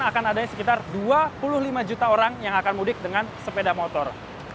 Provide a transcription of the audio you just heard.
akan ada sekitar dua puluh lima juta orang yang akan mudik dengan sepeda motor